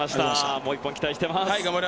もう１本、期待しています。